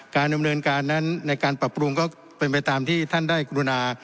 การดำเนินการนั้นในการปรับปรุงก็เป็นไปตามที่ท่านได้กรุณา